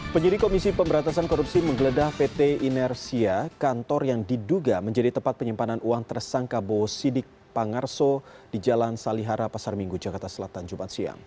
penyidik komisi pemberantasan korupsi menggeledah pt inersia kantor yang diduga menjadi tempat penyimpanan uang tersangka bo sidik pangarso di jalan salihara pasar minggu jakarta selatan jumat siang